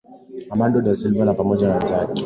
Armando da Silva na pamoja na wenzake